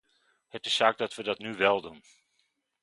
Het is zaak dat we dat nu wel doen.